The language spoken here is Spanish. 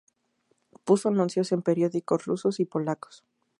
Puso anuncios en periódicos rusos y polacos.